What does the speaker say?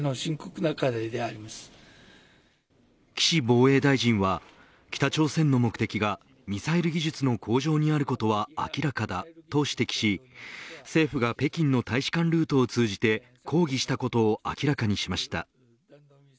岸防衛大臣は北朝鮮の目的がミサイル技術の向上にあることは明らかだ、と指摘し政府が北京の大使館ルートを通じて抗議したことを明らかにしました。